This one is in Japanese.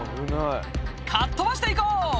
「かっとばしていこう！」